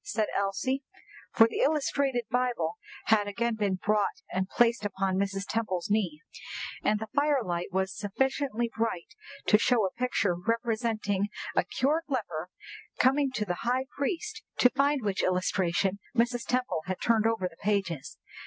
said Elsie, for the illustrated Bible had again been brought and placed upon Mrs. Temple's knee, and the firelight was sufficiently bright to show a picture representing a cured leper coming to the high priest, to find which illustration Mrs. Temple had turned over the pages.